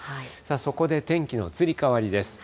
そこで天気の移り変わりです。